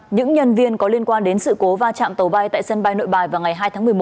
những nhân viên có liên quan đến sự cố va chạm tàu bay tại sân bay nội bài vào ngày hai tháng một mươi một